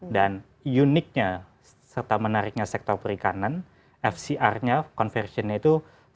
dan uniknya serta menariknya sektor perikanan fcr nya conversion nya itu satu satu lima